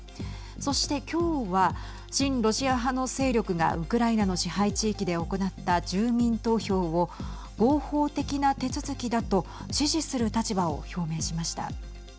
そして今日は親ロシア派の勢力がウクライナの支配地域で行った住民投票を合法的な手続きだと支持する立場を表明しました。